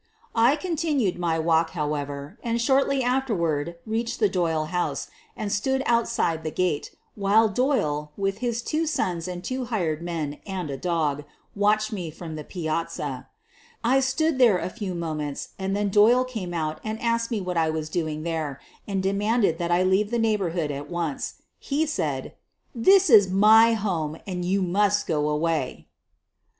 I continued my walk, however, and shortly after ward reached the Doyle house and stood outside the gate, while Doyle, with his two sons and two hired men and a dog, watched me from the piazza. I stood there a few moments, and then Doyle came out and asked me what I was doing there, and de manded that I leave the neighborhood at once. He said: "This is my home, and you must go away."